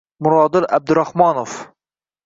Murodil Abdurahmonov